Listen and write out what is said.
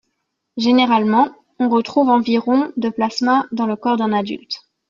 Généralement, on retrouve environ de plasma dans le corps d'un adulte.